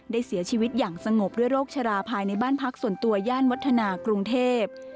เสียชีวิตอย่างสงบด้วยโรคชราภายในบ้านพักส่วนตัวย่านวัฒนากรุงเทพ